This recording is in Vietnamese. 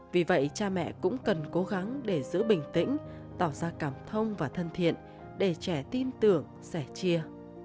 vì vậy cha mẹ cũng cần cố gắng để giữ bình tĩnh tỏ ra cảm thông và thân thiện để trẻ tin tưởng sẻ chia